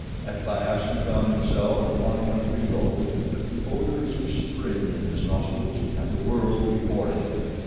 At last he found himself upon a country road with the odors of Spring in his nostrils and the world before him.